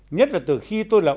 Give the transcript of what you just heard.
nhất là từ khi tôi là